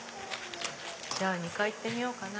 じゃあ２階行ってみようかな。